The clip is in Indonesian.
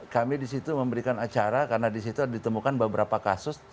kami di situ memberikan acara karena di situ ditemukan beberapa kasus